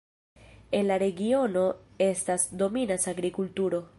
En la regiono estas dominas agrikulturo.